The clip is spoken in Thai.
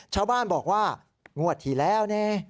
ชาวบ้านบอกว่างวดที่แล้วนี่